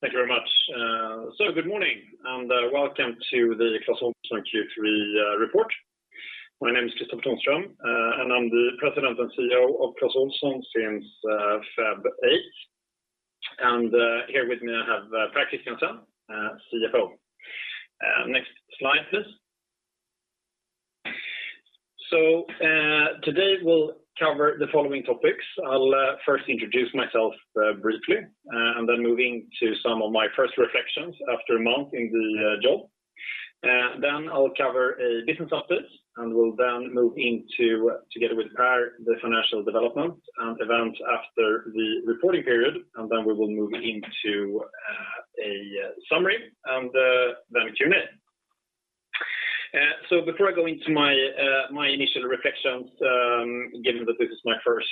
Thank you very much. Good morning, and welcome to the Clas Ohlson Q3 Report. My name is Kristofer Tonström, and I'm the President and Chief Executive Officer of Clas Ohlson since February 8. Here with me, I have Pär Christiansen, CFO. Next slide, please. Today, we'll cover the following topics. I'll first introduce myself briefly, and then moving to some of my first reflections after a month in the job. Then I'll cover a business update, and we'll then move into, together with Pär, the financial development and events after the reporting period. Then we will move into a summary and then Q&A. Before I go into my initial reflections, given that this is my first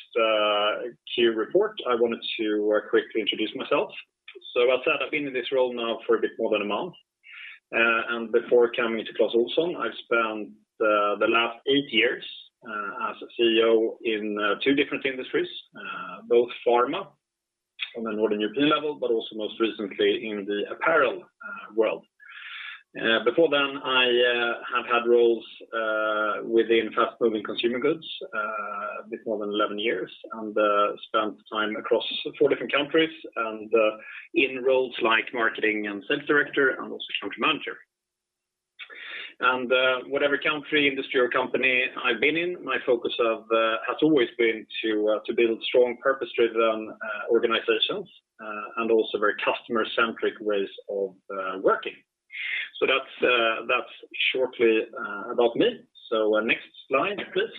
Q report, I wanted to quickly introduce myself. As said, I've been in this role now for a bit more than a month. Before coming to Clas Ohlson, I've spent the last eight years as a CEO in two different industries, both pharma on a Northern European level, but also most recently in the apparel world. Before then, I have had roles within fast-moving consumer goods a bit more than 11 years, and spent time across four different countries and in roles like marketing and sales director and also country manager. Whatever country, industry, or company I've been in, my focus has always been to build strong, purpose-driven organizations, and also very customer-centric ways of working. That's shortly about me. Next slide, please.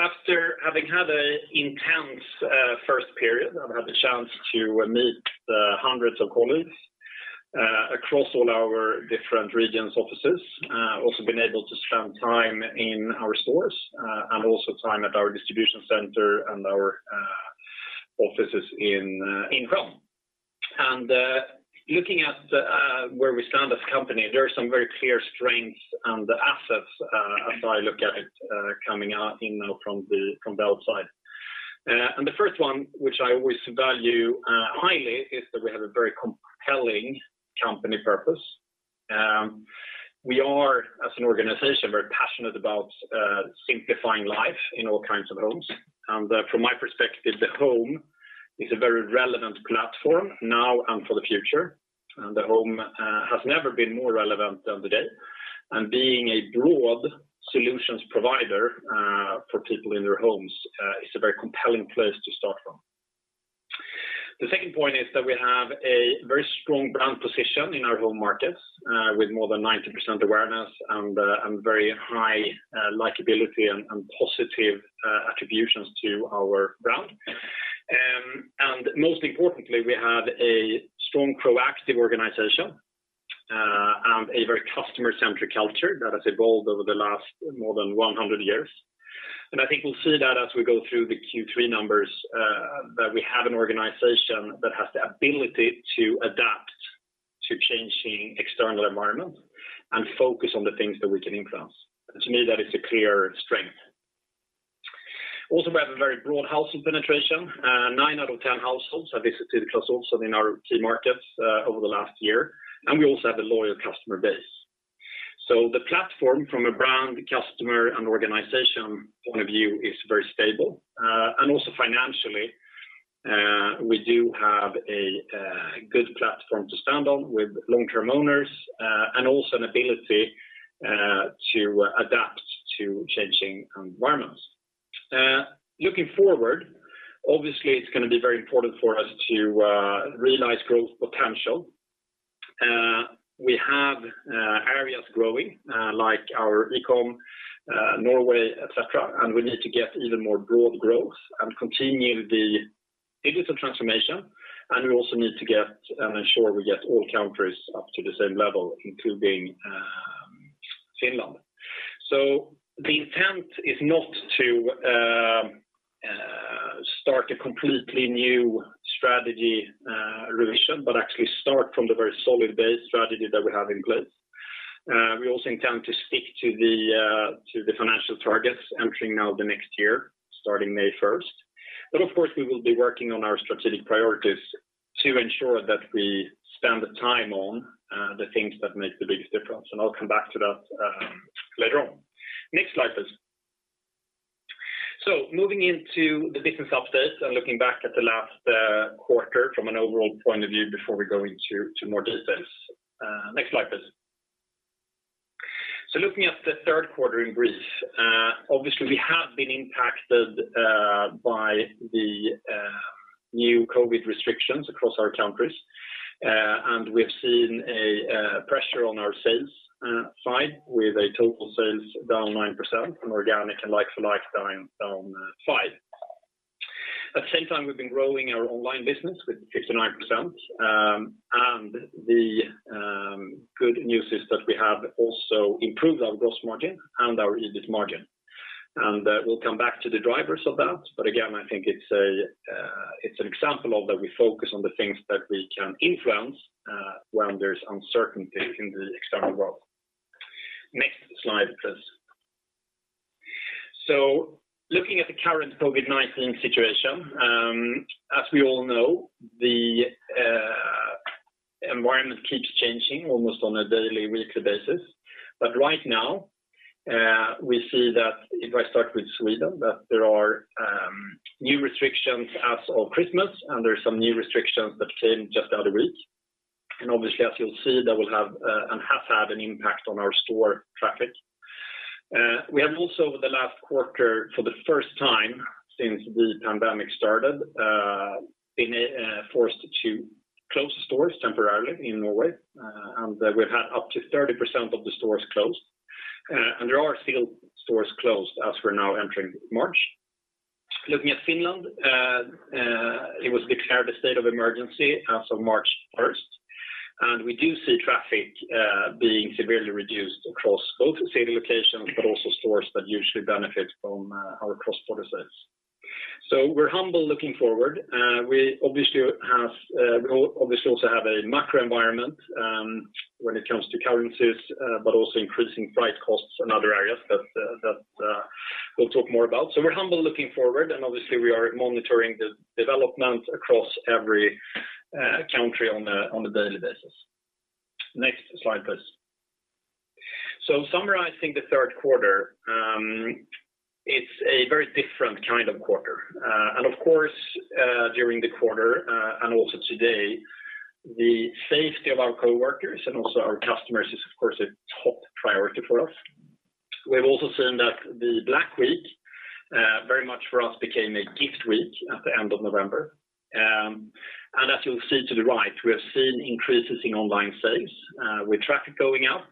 After having had an intense first period, I've had the chance to meet hundreds of colleagues across all our different regions' offices. Also been able to spend time in our stores and also time at our distribution center and our offices in Insjön. Looking at where we stand as a company, there are some very clear strengths and assets as I look at it coming in now from the outside. The first one, which I always value highly, is that we have a very compelling company purpose. We are, as an organization, very passionate about simplifying life in all kinds of homes. From my perspective, the home is a very relevant platform now and for the future, and the home has never been more relevant than today. Being a broad solutions provider for people in their homes is a very compelling place to start from. The second point is that we have a very strong brand position in our home markets with more than 90% awareness and very high likability and positive attributions to our brand. Most importantly, we have a strong proactive organization and a very customer-centric culture that has evolved over the last more than 100 years. I think we'll see that as we go through the Q3 numbers, that we have an organization that has the ability to adapt to changing external environments and focus on the things that we can influence. To me, that is a clear strength. We have a very broad household penetration. Nine out of 10 households have visited Clas Ohlson in our key markets over the last year, and we also have a loyal customer base. The platform from a brand, customer, and organization point of view is very stable. Also financially, we do have a good platform to stand on with long-term owners and also an ability to adapt to changing environments. Looking forward, obviously, it's going to be very important for us to realize growth potential. We have areas growing, like our e-com, Norway, et cetera, and we need to get even more broad growth and continue the digital transformation. We also need to ensure we get all countries up to the same level, including Finland. The intent is not to start a completely new strategy revision, but actually start from the very solid base strategy that we have in place. We also intend to stick to the financial targets entering now the next year, starting May 1st. Of course, we will be working on our strategic priorities to ensure that we spend time on the things that make the biggest difference. I'll come back to that later on. Next slide, please. Moving into the business update and looking back at the last quarter from an overall point of view before we go into more details. Next slide, please. Looking at the third quarter in brief, obviously we have been impacted by the new COVID restrictions across our countries. We've seen a pressure on our sales side with a total sales down 9% and organic and like-for-like down 5%. At the same time, we've been growing our online business with 59%, and the good news is that we have also improved our gross margin and our EBIT margin. We'll come back to the drivers of that. Again, I think it's an example of that we focus on the things that we can influence when there's uncertainty in the external world. Next slide, please. Looking at the current COVID-19 situation, as we all know, the environment keeps changing almost on a daily, weekly basis. Right now, we see that if I start with Sweden, that there are new restrictions as of Christmas, and there's some new restrictions that came just the other week. Obviously, as you'll see, that will have and has had an impact on our store traffic. We have also, over the last quarter, for the first time since the pandemic started, been forced to close stores temporarily in Norway, and we've had up to 30% of the stores closed. There are still stores closed as we're now entering March. Looking at Finland, it was declared a state of emergency as of March 1st. We do see traffic being severely reduced across both city locations, but also stores that usually benefit from our cross-border sales. We're humble looking forward. We obviously also have a macro environment when it comes to currencies but also increasing freight costs and other areas that we'll talk more about. We're humble looking forward, and obviously, we are monitoring the development across every country on a daily basis. Next slide, please. Summarizing the third quarter, it's a very different kind of quarter. Of course, during the quarter and also today, the safety of our coworkers and also our customers is, of course, a top priority for us. We've also seen that the Black Week, very much for us, became a gift week at the end of November. As you'll see to the right, we have seen increases in online sales with traffic going up,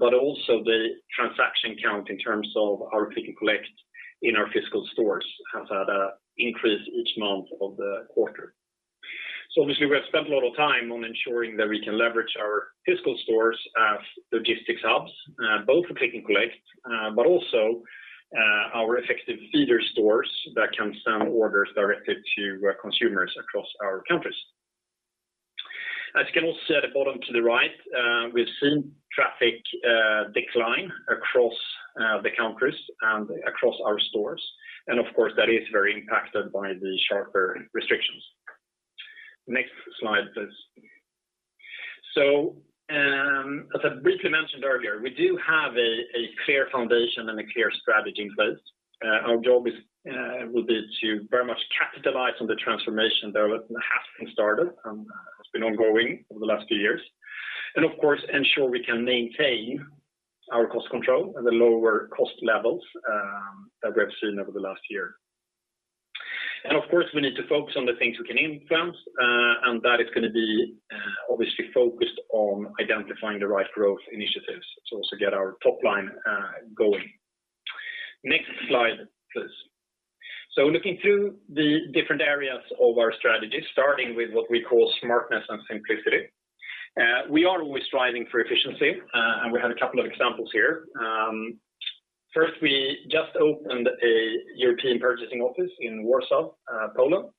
but also the transaction count in terms of our click and collect in our physical stores has had an increase each month of the quarter. Obviously, we have spent a lot of time on ensuring that we can leverage our physical stores as logistics hubs, both for click and collect but also our effective feeder stores that can send orders directly to consumers across our countries. As you can also see at the bottom to the right, we've seen traffic decline across the countries and across our stores. Of course, that is very impacted by the sharper restrictions. Next slide, please. As I briefly mentioned earlier, we do have a clear foundation and a clear strategy in place. Our job will be to very much capitalize on the transformation that has been started and has been ongoing over the last few years. Of course, ensure we can maintain our cost control and the lower cost levels that we have seen over the last year. Of course, we need to focus on the things we can influence, and that is going to be obviously focused on identifying the right growth initiatives to also get our top line going. Next slide, please. Looking through the different areas of our strategy, starting with what we call smartness and simplicity. We are always striving for efficiency, and we have a couple of examples here. First, we just opened a European purchasing office in Warsaw, Poland.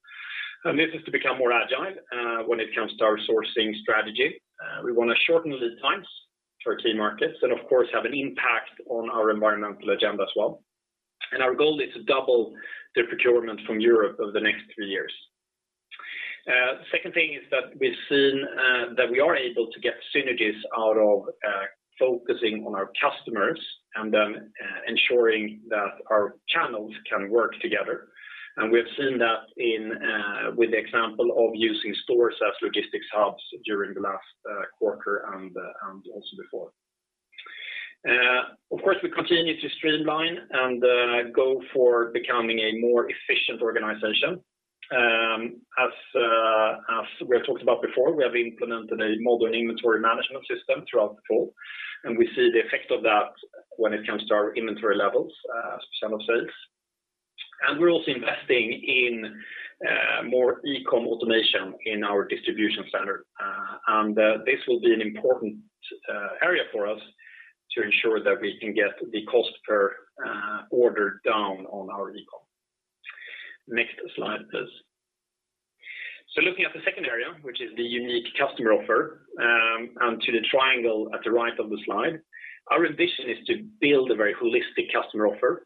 This is to become more agile when it comes to our sourcing strategy. We want to shorten lead times for key markets and, of course, have an impact on our environmental agenda as well. Our goal is to double the procurement from Europe over the next three years. Second thing is that we've seen that we are able to get synergies out of focusing on our customers and then ensuring that our channels can work together. We have seen that with the example of using stores as logistics hubs during the last quarter and also before. Of course, we continue to streamline and go for becoming a more efficient organization. As we have talked about before, we have implemented a modern inventory management system throughout the fall, and we see the effect of that when it comes to our inventory levels as percent of sales. We're also investing in more e-com automation in our distribution center. This will be an important area for us to ensure that we can get the cost per order down on our e-com. Next slide, please. Looking at the second area, which is the unique customer offer, and to the triangle at the right of the slide, our ambition is to build a very holistic customer offer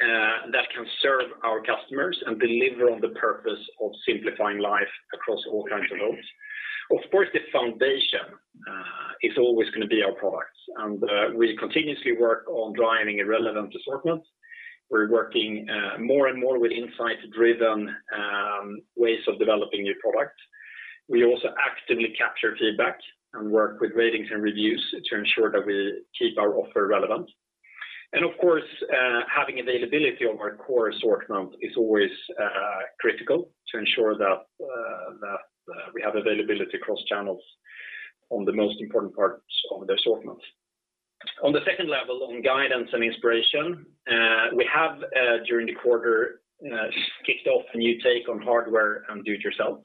that can serve our customers and deliver on the purpose of simplifying life across all kinds of homes. Of course, the foundation is always going to be our products, and we continuously work on driving a relevant assortment. We're working more and more with insight-driven ways of developing new product. We also actively capture feedback and work with ratings and reviews to ensure that we keep our offer relevant. Of course, having availability of our core assortment is always critical to ensure that we have availability across channels on the most important parts of the assortment. On the second level, on guidance and inspiration, we have, during the quarter, kicked off a new take on hardware and do-it-yourself.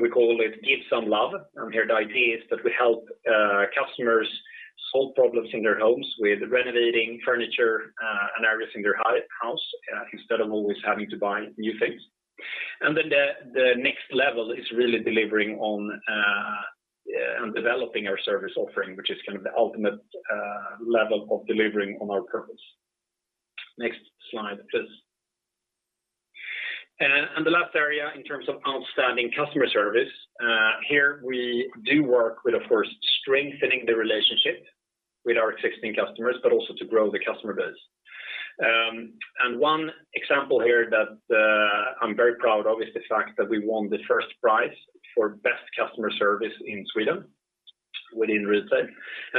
We call it Give some love. Here, the idea is that we help customers solve problems in their homes with renovating furniture and areas in their house instead of always having to buy new things. The next level is really delivering on developing our service offering, which is the ultimate level of delivering on our purpose. Next slide, please. The last area in terms of outstanding customer service, here we do work with, of course, strengthening the relationship with our existing customers, but also to grow the customer base. One example here that I'm very proud of is the fact that we won the first prize for best customer service in Sweden within retail.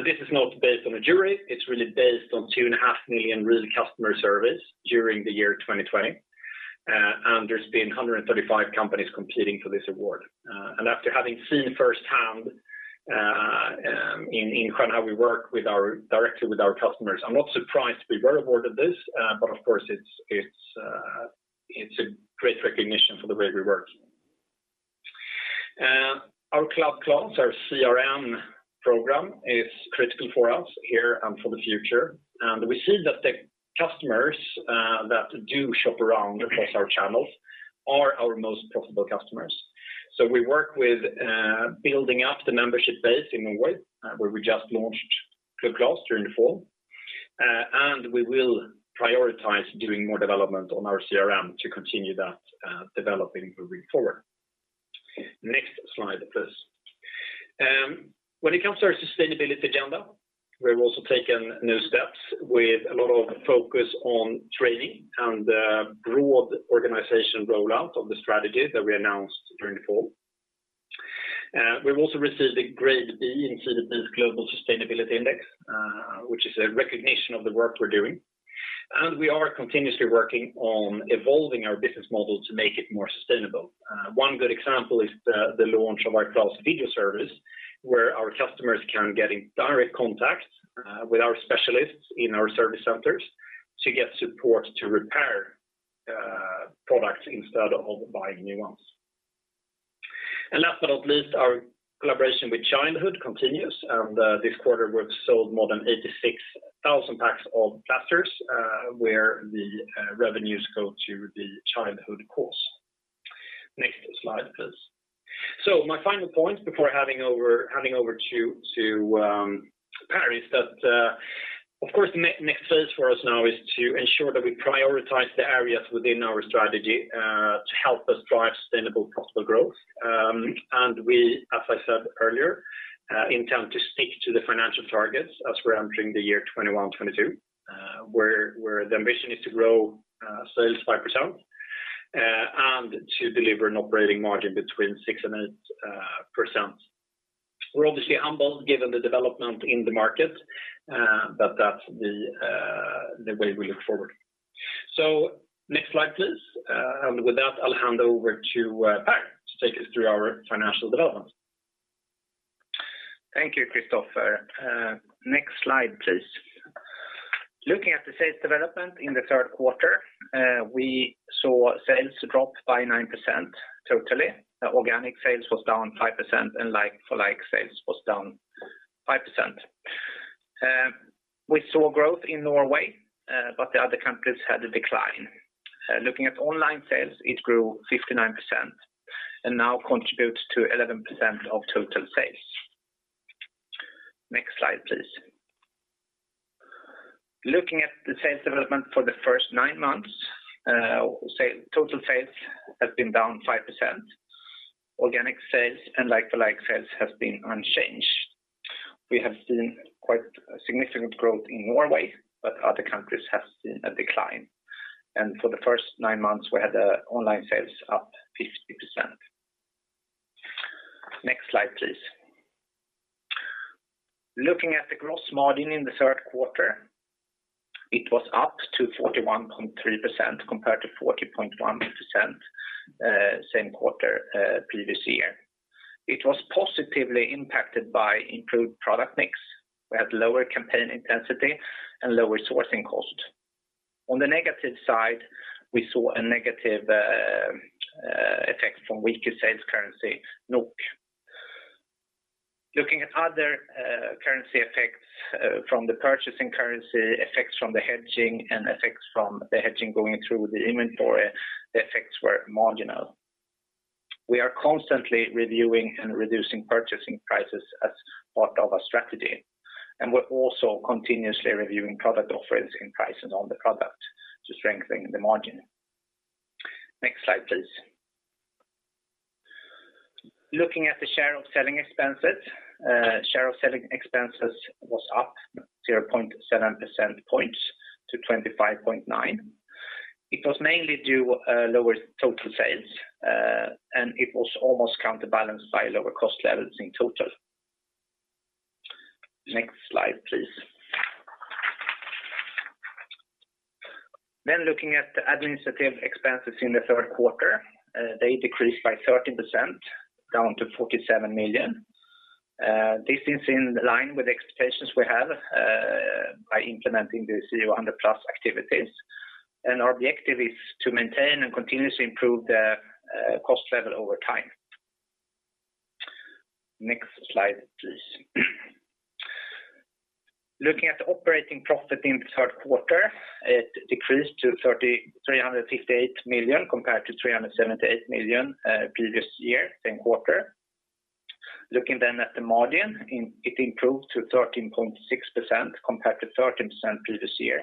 This is not based on a jury, it's really based on 2.5 million real customer service during the year 2020. There's been 135 companies competing for this award. After having seen firsthand in how we work directly with our customers, I'm not surprised we were awarded this, but of course it's a great recognition for the way we work. Our Club Clas, our CRM program, is critical for us here and for the future. We see that the customers that do shop around across our channels are our most profitable customers. We work with building up the membership base in Norway, where we just launched Club Clas during the fall. We will prioritize doing more development on our CRM to continue that developing moving forward. Next slide, please. When it comes to our sustainability agenda, we've also taken new steps with a lot of focus on training and broad organization rollout of the strategy that we announced during the fall. We've also received a grade B in CDP's score, which is a recognition of the work we're doing. We are continuously working on evolving our business model to make it more sustainable. One good example is the launch of our Clas video service, where our customers can get in direct contact with our specialists in our service centers to get support to repair products instead of buying new ones. Last but not least, our collaboration with Childhood continues, and this quarter we've sold more than 86,000 packs of plasters, where the revenues go to the Childhood cause. Next slide, please. My final point before handing over to Pär, that of course, next phase for us now is to ensure that we prioritize the areas within our strategy to help us drive sustainable profitable growth. We, as I said earlier, intend to stick to the financial targets as we're entering the year 2021-2022, where the ambition is to grow sales 5% and to deliver an operating margin between 6% and 8%. We're obviously humbled given the development in the market, but that's the way we look forward. Next slide, please. With that, I'll hand over to Pär to take us through our financial development. Thank you, Kristofer. Next slide, please. Looking at the sales development in the third quarter, we saw sales drop by 9% totally. Organic sales was down 5% and like-for-like sales was down 5%. We saw growth in Norway, but the other countries had a decline. Looking at online sales, it grew 59% and now contributes to 11% of total sales. Next slide, please. Looking at the sales development for the first nine months, total sales has been down 5%. Organic sales and like-for-like sales have been unchanged. We have seen quite significant growth in Norway, but other countries have seen a decline. For the first nine months, we had online sales up 50%. Next slide, please. Looking at the gross margin in the third quarter, it was up to 41.3% compared to 40.1% same quarter previous year. It was positively impacted by improved product mix. We had lower campaign intensity and lower sourcing cost. On the negative side, we saw a negative effect from weaker sales currency NOK. Looking at other currency effects from the purchasing currency, effects from the hedging, and effects from the hedging going through the inventory, the effects were marginal. We are constantly reviewing and reducing purchasing prices as part of our strategy, and we're also continuously reviewing product offerings and pricing on the product to strengthen the margin. Next slide, please. Looking at the share of selling expenses, share of selling expenses was up 0.7 percentage points to 25.9%. It was mainly due lower total sales, and it was almost counterbalanced by lower cost levels in total. Next slide, please. Looking at the administrative expenses in the third quarter, they decreased by 30%, down to 47 million. This is in line with expectations we have by implementing the CO100+ activities. Our objective is to maintain and continuously improve the cost level over time. Next slide, please. Looking at the operating profit in the third quarter, it decreased to 358 million compared to 378 million previous year, same quarter. Looking at the margin, it improved to 13.6% compared to 13% previous year.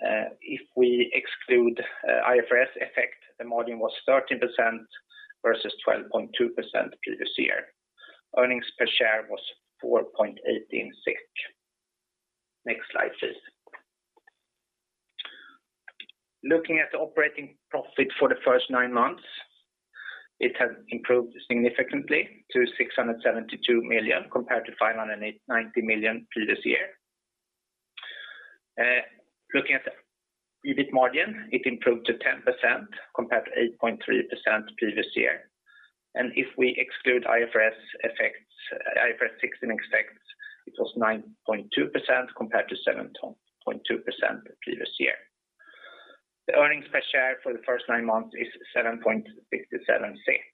If we exclude IFRS effect, the margin was 13% versus 12.2% previous year. Earnings per share was 4.18. Next slide, please. Looking at the operating profit for the first nine months, it has improved significantly to 672 million compared to 590 million previous year. Looking at the EBIT margin, it improved to 10% compared to 8.3% previous year. If we exclude IFRS 16 effects, it was 9.2% compared to 7.2% the previous year. The earnings per share for the first nine months is 7.57 SEK.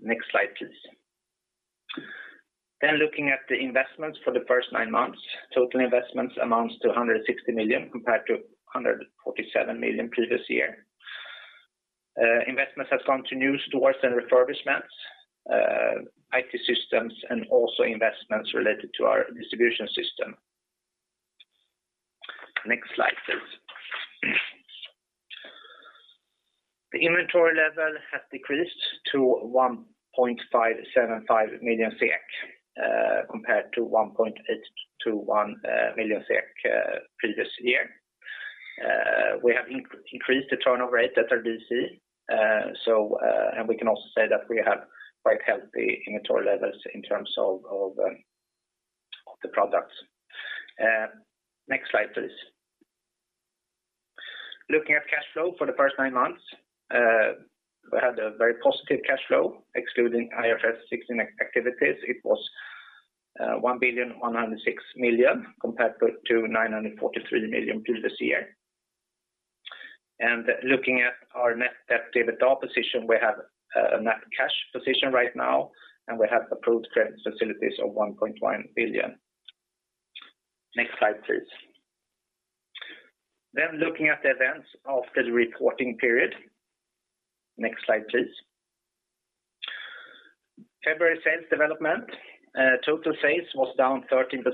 Next slide, please. Looking at the investments for the first nine months, total investments amounts to 160 million compared to 147 million previous year. Investments have gone to new stores and refurbishments, IT systems, and also investments related to our distribution system. Next slide, please. The inventory level has decreased to 1.575 million SEK compared to 1.821 million SEK previous year. We have increased the turnover rate at RDC, and we can also say that we have quite healthy inventory levels in terms of the products. Next slide, please. Looking at cash flow for the first nine months, we had a very positive cash flow excluding IFRS 16 activities. It was 1,106 million compared to 943 million previous year. Looking at our net debt/EBITDA position, we have a net cash position right now, and we have approved credit facilities of 1.1 billion. Next slide, please. Looking at the events of the reporting period. Next slide, please. February sales development. Total sales was down 13%.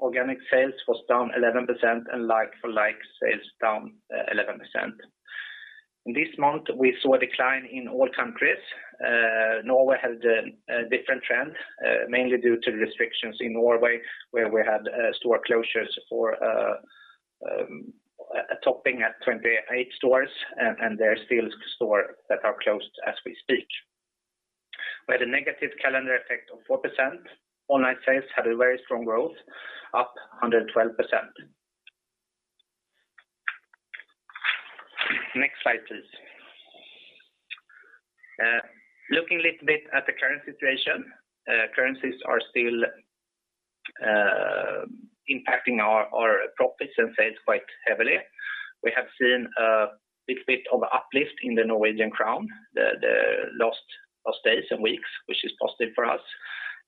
Organic sales was down 11%, and like-for-like sales down 11%. In this month, we saw a decline in all countries. Norway had a different trend, mainly due to the restrictions in Norway, where we had store closures topping at 28 stores, and there are still stores that are closed as we speak. We had a negative calendar effect of 4%. Online sales had a very strong growth, up 112%. Next slide, please. Looking a little bit at the current situation, currencies are still impacting our profits and sales quite heavily. We have seen a little bit of uplift in the Norwegian crown the last days and weeks, which is positive for us,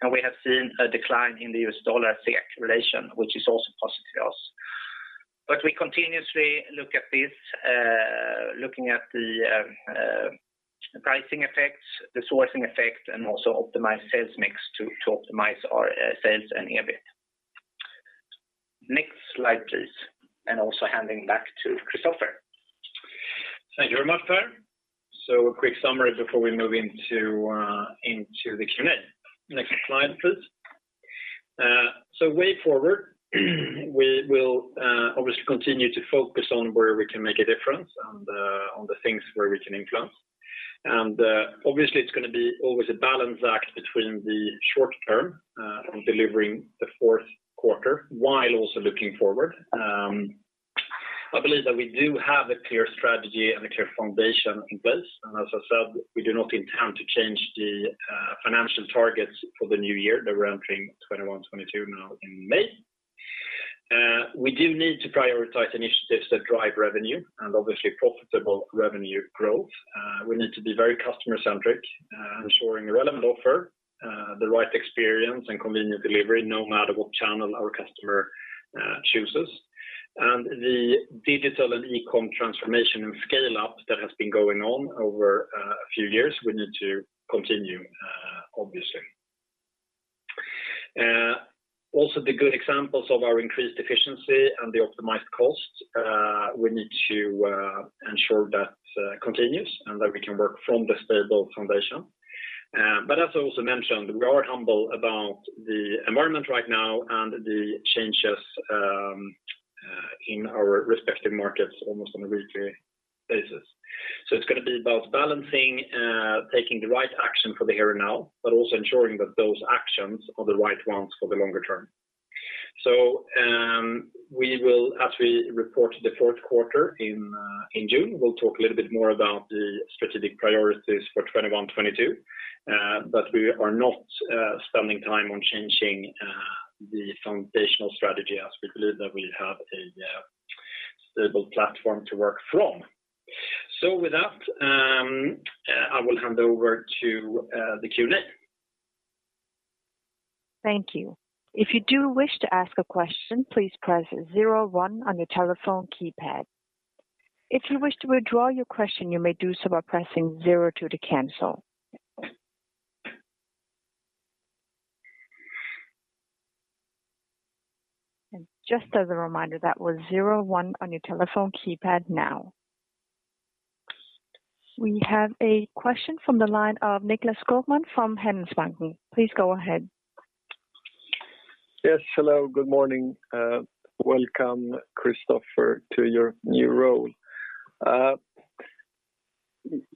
and we have seen a decline in the U.S. dollar-SEK relation, which is also positive to us. We continuously look at this, looking at the pricing effects, the sourcing effect, and also optimized sales mix to optimize our sales and EBIT. Next slide, please. Also handing back to Kristofer. Thank you very much, Pär. A quick summary before we move into the Q&A. Next slide, please. Way forward, we will obviously continue to focus on where we can make a difference and on the things where we can influence. Obviously, it's going to be always a balance act between the short term and delivering the fourth quarter while also looking forward. I believe that we do have a clear strategy and a clear foundation in place. As I said, we do not intend to change the financial targets for the new year that we're entering 2021-2022 now in May. We do need to prioritize initiatives that drive revenue and obviously profitable revenue growth. We need to be very customer-centric, ensuring the relevant offer, the right experience, and convenient delivery, no matter what channel our customer chooses. The digital and e-com transformation and scale-up that has been going on over a few years, we need to continue, obviously. Also, the good examples of our increased efficiency and the optimized costs, we need to ensure that continues and that we can work from the stable foundation. As I also mentioned, we are humble about the environment right now and the changes in our respective markets almost on a weekly basis. It's going to be both balancing, taking the right action for the here and now, but also ensuring that those actions are the right ones for the longer term. We will, as we report the fourth quarter in June, we'll talk a little bit more about the strategic priorities for 2021-2022. We are not spending time on changing the foundational strategy as we believe that we have a stable platform to work from. With that, I will hand over to the Q&A. Thank you. If you wish to ask a question, please press zero one on your telephone keypad. If you wish to withdraw your question, you may do so by pressing zero two to cancel. Just a reminder that we're zero one on your telephone keypad now. We have a question from the line of Nicklas Skogman from Handelsbanken. Please go ahead. Yes. Hello, good morning. Welcome, Kristofer, to your new role.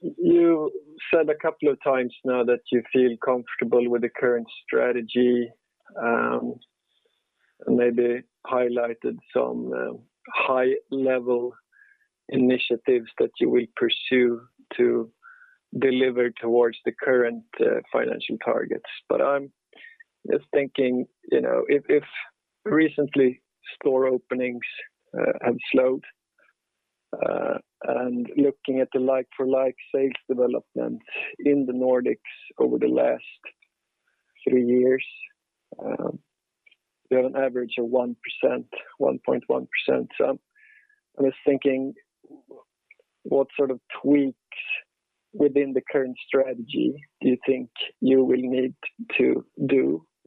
You said a couple of times now that you feel comfortable with the current strategy, and maybe highlighted some high-level initiatives that you will pursue to deliver towards the current financial targets. I'm just thinking, if recently store openings have slowed, and looking at the like-for-like sales development in the Nordics over the last three years, we have an average of 1.1%. I was thinking,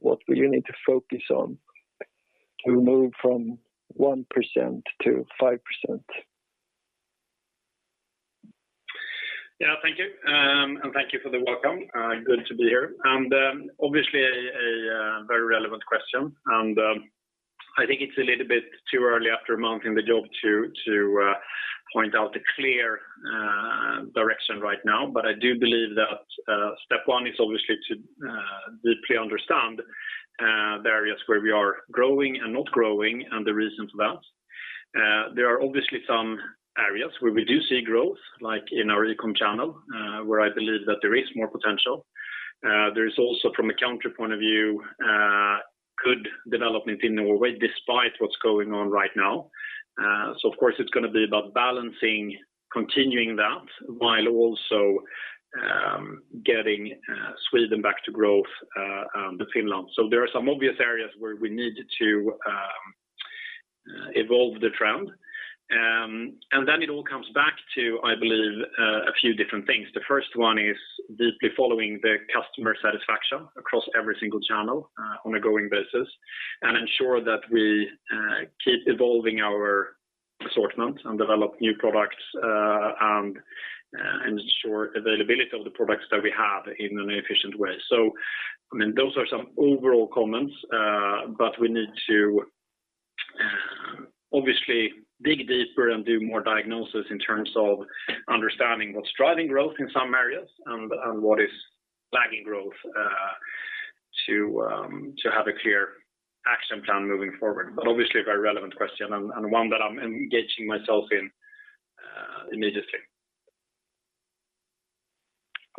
what sort of tweaks within the current strategy do you think you will need to do? What will you need to focus on to move from 1% to 5%? Yeah, thank you. Thank you for the welcome. Good to be here. Obviously, a very relevant question, and I think it's a little bit too early after a month in the job to point out a clear direction right now. I do believe that step one is obviously to deeply understand the areas where we are growing and not growing and the reasons for that. There are obviously some areas where we do see growth, like in our e-com channel, where I believe that there is more potential. There is also, from a country point of view, good development in Norway, despite what's going on right now. Of course, it's going to be about balancing continuing that while also getting Sweden back to growth and Finland. There are some obvious areas where we need to evolve the trend. It all comes back to, I believe, a few different things. The first one is deeply following the customer satisfaction across every single channel on a going basis, and ensure that we keep evolving our assortment and develop new products, and ensure availability of the products that we have in an efficient way. Those are some overall comments, but we need to obviously dig deeper and do more diagnosis in terms of understanding what's driving growth in some areas and what is lagging growth to have a clear action plan moving forward. Obviously, a very relevant question and one that I'm engaging myself in immediately.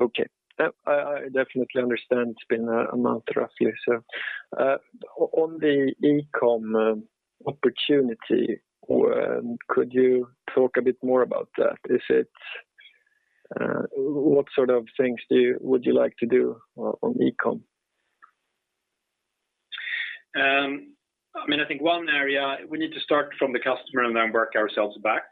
Okay. I definitely understand it's been a month roughly. On the e-com opportunity, could you talk a bit more about that? What sort of things would you like to do on e-com? I think one area, we need to start from the customer and then work ourselves back.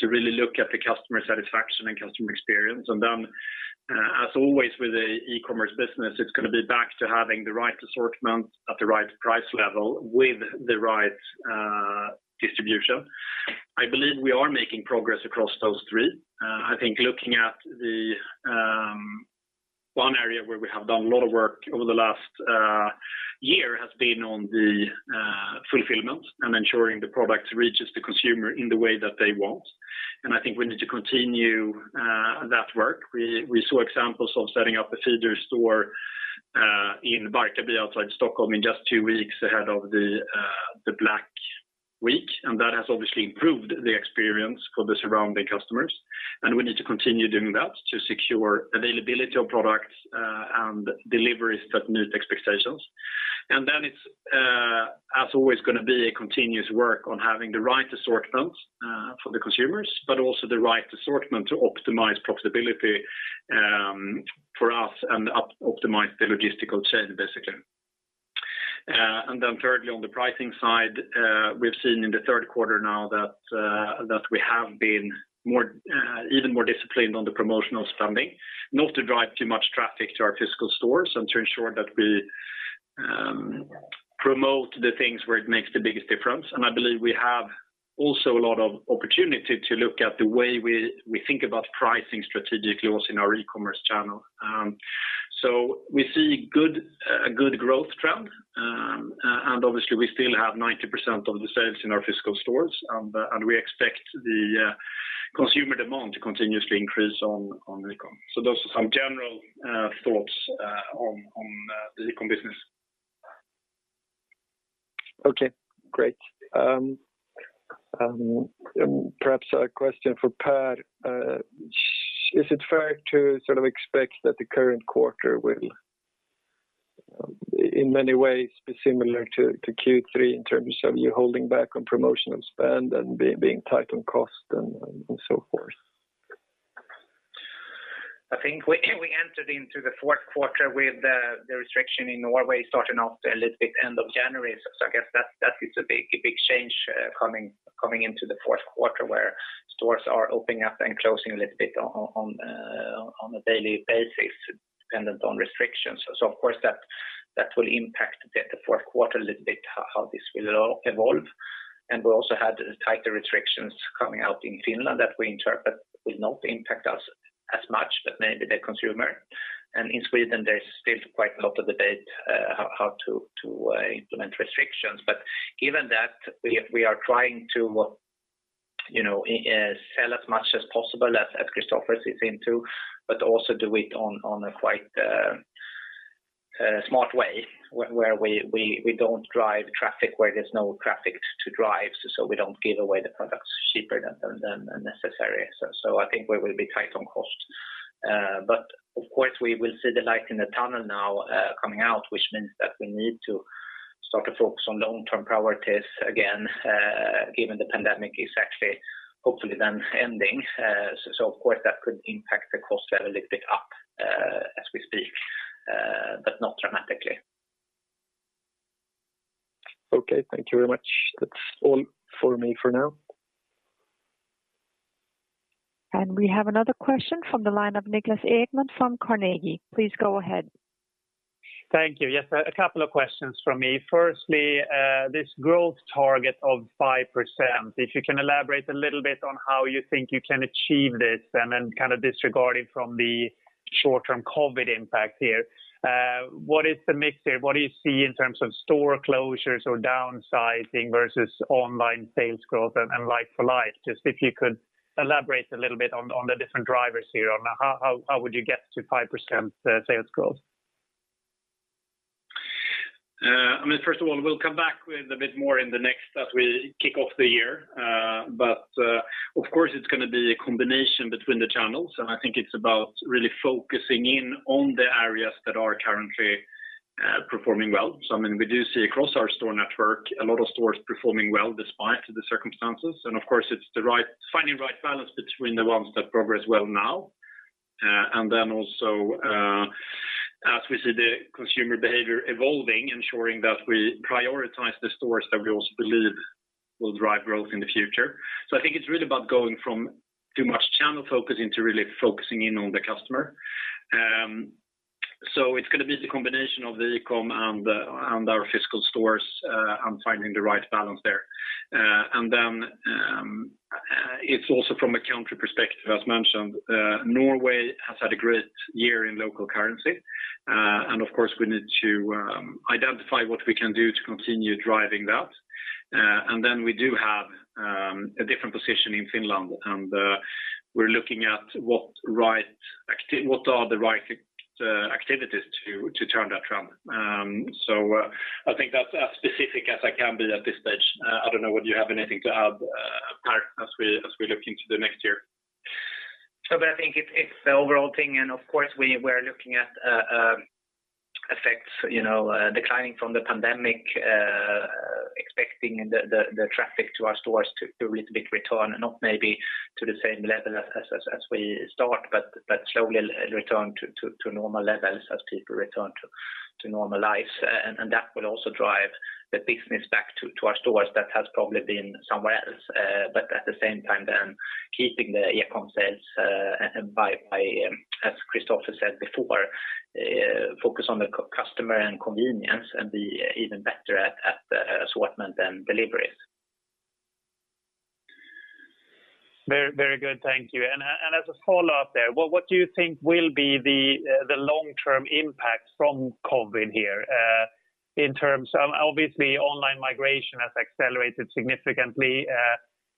To really look at the customer satisfaction and customer experience. As always, with the e-commerce business, it's going to be back to having the right assortment at the right price level with the right distribution. I believe we are making progress across those three. I think looking at the one area where we have done a lot of work over the last year has been on the fulfillment and ensuring the product reaches the consumer in the way that they want. I think we need to continue that work. We saw examples of setting up a feeder store in Barkarby outside Stockholm in just two weeks ahead of the Black Week, and that has obviously improved the experience for the surrounding customers. We need to continue doing that to secure availability of products and deliveries that meet expectations. Then it's, as always, going to be a continuous work on having the right assortment for the consumers, but also the right assortment to optimize profitability for us and optimize the logistical chain, basically. Then thirdly, on the pricing side, we've seen in the third quarter now that we have been even more disciplined on the promotional spending. Not to drive too much traffic to our physical stores and to ensure that we promote the things where it makes the biggest difference. I believe we have also a lot of opportunity to look at the way we think about pricing strategically also in our e-commerce channel. We see a good growth trend. Obviously, we still have 90% of the sales in our physical stores. We expect the consumer demand to continuously increase on e-com. Those are some general thoughts on the e-com business. Okay, great. Perhaps a question for Pär. Is it fair to sort of expect that the current quarter will in many ways be similar to Q3 in terms of you holding back on promotional spend and being tight on cost and so forth? I think we entered into the fourth quarter with the restriction in Norway starting off a little bit end of January. I guess that is a big change coming into the fourth quarter where stores are opening up and closing a little bit on a daily basis dependent on restrictions. Of course that will impact the fourth quarter a little bit, how this will evolve. We also had tighter restrictions coming out in Finland that we interpret will not impact us as much, but maybe the consumer. In Sweden, there's still quite a lot of debate how to implement restrictions. Given that, we are trying to sell as much as possible, as Kristofer says into, but also do it on a quite smart way where we don't drive traffic, where there's no traffic to drive, so we don't give away the products cheaper than necessary. I think we will be tight on cost. Of course, we will see the light in the tunnel now, coming out, which means that we need to start to focus on long-term priorities again, given the pandemic is actually hopefully then ending. Of course, that could impact the cost a little bit up, as we speak, but not dramatically. Okay, thank you very much. That's all for me for now. We have another question from the line of Niklas Ekman from Carnegie. Please go ahead. Thank you. Yes, a couple of questions from me. Firstly, this growth target of 5%, if you can elaborate a little bit on how you think you can achieve this, and then kind of disregarding from the short-term COVID impact here. What is the mix here? What do you see in terms of store closures or downsizing versus online sales growth and like-for-like? Just if you could elaborate a little bit on the different drivers here on how would you get to 5% sales growth? First of all, we'll come back with a bit more in the next as we kick off the year. Of course, it's going to be a combination between the channels, and I think it's about really focusing in on the areas that are currently performing well. We do see across our store network, a lot of stores performing well despite the circumstances. Of course, it's finding the right balance between the ones that progress well now, and then also, as we see the consumer behavior evolving, ensuring that we prioritize the stores that we also believe will drive growth in the future. I think it's really about going from too much channel focus into really focusing in on the customer. It's going to be the combination of the e-com and our physical stores, and finding the right balance there. It's also from a country perspective, as mentioned, Norway has had a great year in local currency. Of course, we need to identify what we can do to continue driving that. We do have a different position in Finland and we're looking at what are the right activities to turn that around. I think that's as specific as I can be at this stage. I don't know, would you have anything to add, Pär, as we look into the next year? I think it's the overall thing, and of course, we're looking at effects declining from the pandemic, expecting the traffic to our stores to a little bit return, not maybe to the same level as we start, but slowly return to normal levels as people return to normal life. That will also drive the business back to our stores that has probably been somewhere else. At the same time then keeping the e-com sales, by, as Kristofer said before, focus on the customer and convenience and be even better at assortment and deliveries. Very good. Thank you. As a follow-up there, what do you think will be the long-term impact from COVID-19 here? Obviously, online migration has accelerated significantly,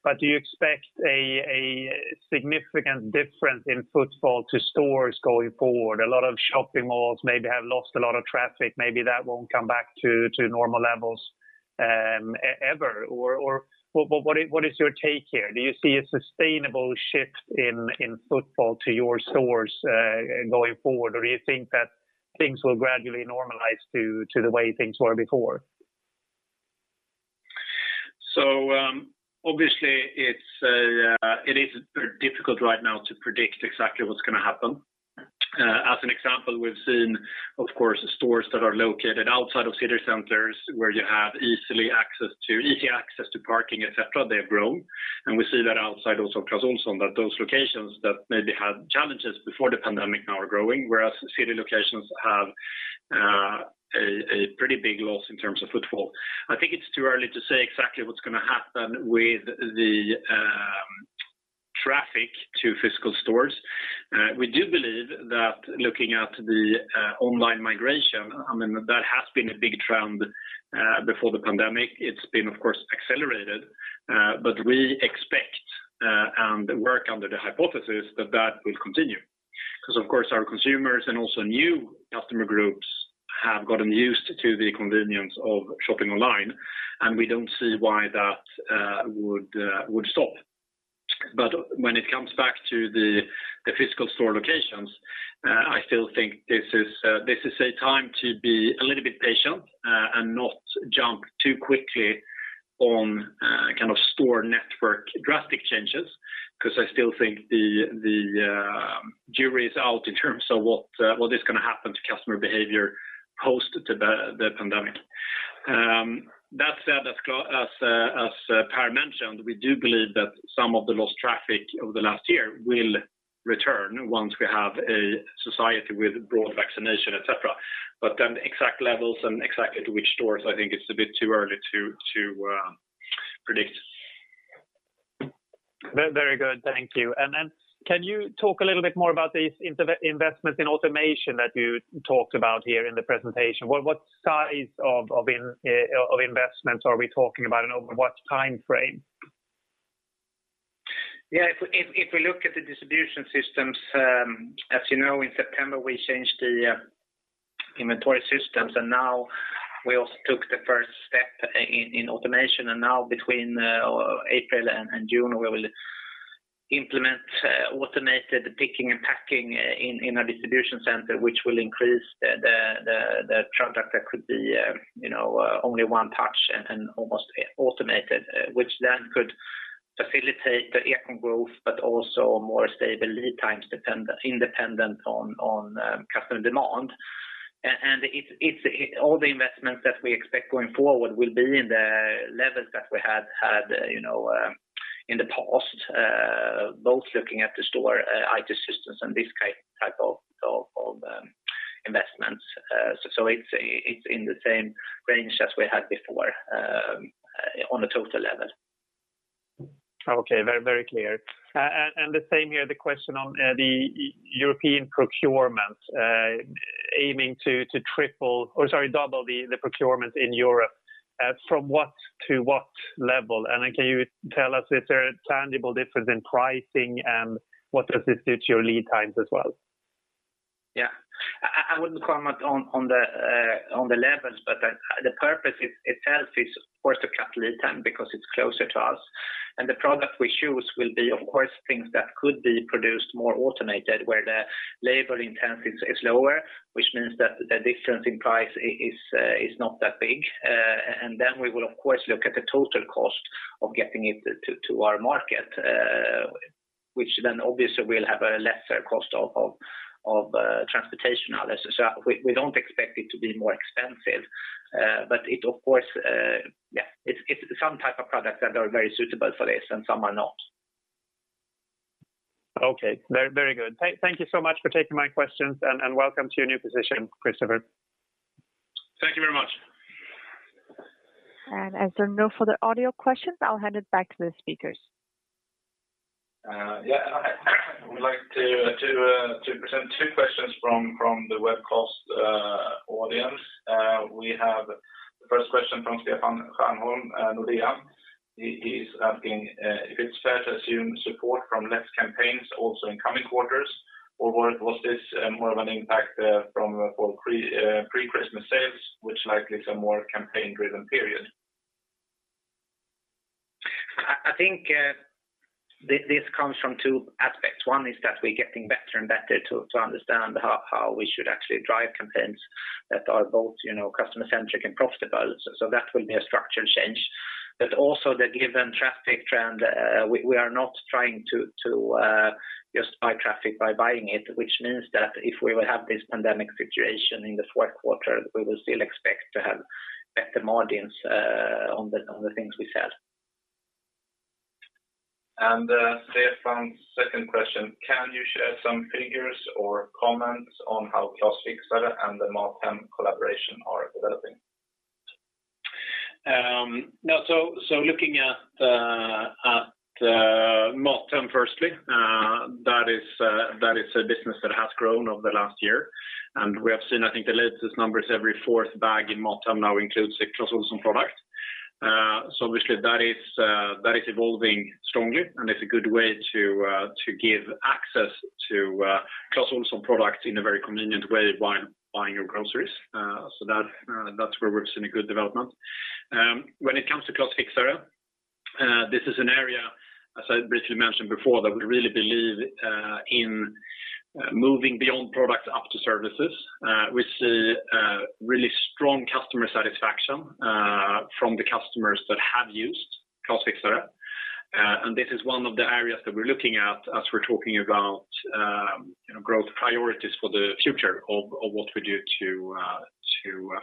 but do you expect a significant difference in footfall to stores going forward? A lot of shopping malls maybe have lost a lot of traffic. Maybe that won't come back to normal levels ever. What is your take here? Do you see a sustainable shift in footfall to your stores, going forward, or you think that things will gradually normalize to the way things were before? Obviously it is difficult right now to predict exactly what's going to happen. As an example, we've seen, of course, stores that are located outside of city centers where you have easy access to parking, et cetera, they have grown. We see that outside also Clas Ohlson, that those locations that maybe had challenges before the pandemic now are growing, whereas city locations have a pretty big loss in terms of footfall. I think it's too early to say exactly what's going to happen with the traffic to physical stores. We do believe that looking at the online migration, that has been a big trend, before the pandemic. It's been, of course, accelerated. We expect, and work under the hypothesis that that will continue because of course, our consumers and also new customer groups have gotten used to the convenience of shopping online, and we don't see why that would stop. When it comes back to the physical store locations, I still think this is a time to be a little bit patient and not jump too quickly on store network drastic changes, because I still think the jury is out in terms of what is going to happen to customer behavior post the pandemic. That said, as Pär mentioned, we do believe that some of the lost traffic over the last year will return once we have a society with broad vaccination, et cetera. Exact levels and exactly to which stores, I think it's a bit too early to predict. Very good. Thank you. Can you talk a little bit more about these investments in automation that you talked about here in the presentation? What size of investments are we talking about and over what timeframe? Yeah. If we look at the distribution systems, as you know in September, we changed the inventory systems. Now we also took the first step in automation. Now between April and June, we will implement automated picking and packing in our distribution center, which will increase the transaction that could be only one touch and almost automated, which then could facilitate the e-com growth, but also more stable lead times independent on customer demand. All the investments that we expect going forward will be in the levels that we had in the past, both looking at the store IT systems and this type of investments. It's in the same range as we had before on a total level. Okay. Very clear. The same here, the question on the European procurement, aiming to double the procurement in Europe. From what to what level? Then can you tell us, is there a tangible difference in pricing and what does this do to your lead times as well? Yeah. I wouldn't comment on the levels, the purpose itself is, of course, to cut lead time because it's closer to us. The product we choose will be, of course, things that could be produced more automated, where the labor intensity is lower, which means that the difference in price is not that big. We will, of course, look at the total cost of getting it to our market, which then obviously will have a lesser cost of transportation. We don't expect it to be more expensive. Of course, it's some type of products that are very suitable for this and some are not. Okay. Very good. Thank you so much for taking my questions and welcome to your new position, Kristofer. Thank you very much. As there are no further audio questions, I'll hand it back to the speakers. Yeah. I would like to present two questions from the webcast audience. We have the first question from Stefan Stjernholm, Nordea. He is asking if it is fair to assume support from less campaigns also in coming quarters, or was this more of an impact from pre-Christmas sales, which likely is a more campaign driven period? I think this comes from two aspects. One is that we're getting better and better to understand how we should actually drive campaigns that are both customer centric and profitable. That will be a structural change. Also the given traffic trend, we are not trying to just buy traffic by buying it, which means that if we will have this pandemic situation in the fourth quarter, we will still expect to have better margins on the things we sell. Stefan's second question, can you share some figures or comments on how Clas Fixare and the MatHem collaboration are developing? Looking at MatHem firstly, that is a business that has grown over the last year and we have seen, I think the latest numbers, every fourth bag in MatHem now includes a Clas Ohlson product. Obviously that is evolving strongly and it's a good way to give access to Clas Ohlson products in a very convenient way while buying your groceries. That's where we've seen a good development. When it comes to Clas Fixare, this is an area, as I briefly mentioned before, that we really believe in moving beyond products up to services. We see really strong customer satisfaction from the customers that have used Clas Fixare, and this is one of the areas that we're looking at as we're talking about growth priorities for the future of what we do to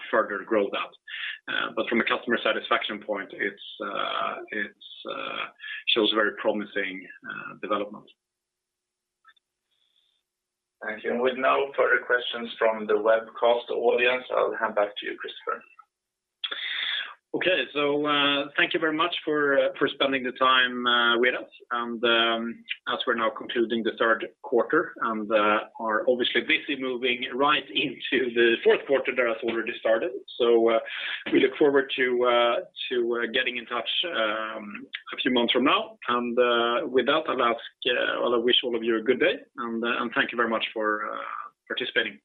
further grow that. From a customer satisfaction point, it shows very promising development. Thank you. With no further questions from the webcast audience, I'll hand back to you, Kristofer. Thank you very much for spending the time with us and as we are now concluding the third quarter and are obviously busy moving right into the fourth quarter that has already started. We look forward to getting in touch a few months from now. With that, I wish all of you a good day and thank you very much for participating.